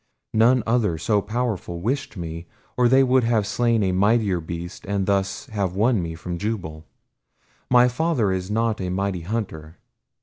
None other so powerful wished me, or they would have slain a mightier beast and thus have won me from Jubal. My father is not a mighty hunter.